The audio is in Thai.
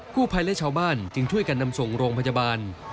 ผู้ภัยและชาวบ้านจึงช่วยกันนำส่งโรงพยาบาล